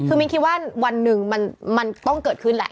คือมิ้นคิดว่าวันหนึ่งมันต้องเกิดขึ้นแหละ